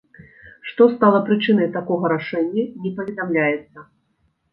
Што стала прычынай такога рашэння, не паведамляецца.